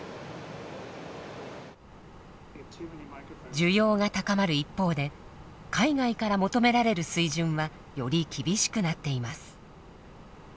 需要が高まる一方で海外から求められる水準はより厳しくなっています。